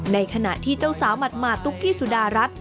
ในขณะที่เจ้าสาวหมาดตุ๊กกี้สุดารัฐ